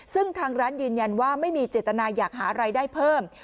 ซึ่งทางร้านยืนยันว่าไม่มีเจตนาอยากหารายได้เพิ่ม